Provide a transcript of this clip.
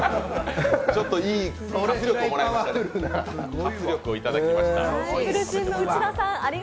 ちょっといい、活力をいただきましたね。